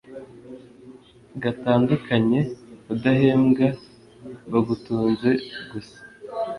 gatandukanye udahembwa bagutunze gusa